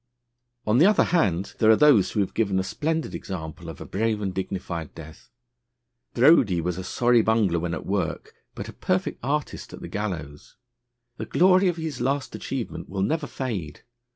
On the other hand, there are those who have given a splendid example of a brave and dignified death. Brodie was a sorry bungler when at work, but a perfect artist at the gallows. The glory of his last achievement will never fade.